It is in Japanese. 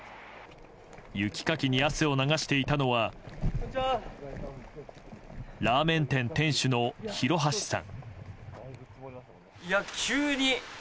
雪かきに汗を流していたのはラーメン店店主の廣橋さん。